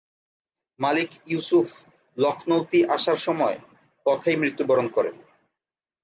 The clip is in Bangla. মালিক ইউসুফ লখনৌতি আসার সময় পথেই মৃত্যুবরণ করেন।